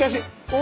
お！